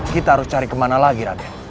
kita harus cari kemana lagi raden